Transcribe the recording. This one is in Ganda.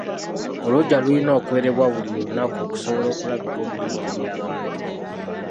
Oluggya lulina okwerebwa buli lunaku okusobola okulabika obulungi eri abantu.